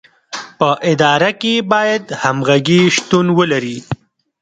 په اداره کې باید همغږي شتون ولري.